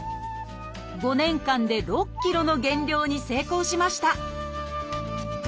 ５年間で６ｋｇの減量に成功しました！